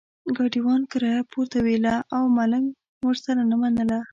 ګاډیوان کرایه پورته ویله او ملنګ ورسره نه منله.